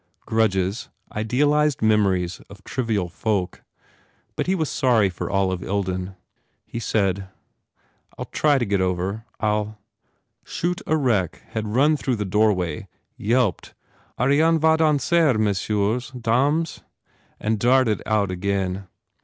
Grudges, idealized memories of trivial folk. But he was sorry for Olive Ilden. He said, "I ll try to get over. I ll" Choute Aurec ran through the doorway, yelped, "Ariane va danser, messieurs, dames!" and darted out again.